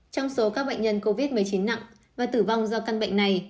trong số các bệnh nhân covid một mươi chín nặng và tử vong do căn bệnh này